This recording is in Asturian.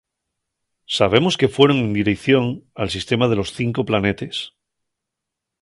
Sabemos que fueron en direición al sistema de los Cinco Planetes.